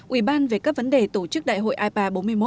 ủy ban về các vấn đề tổ chức đại hội ipa bốn mươi một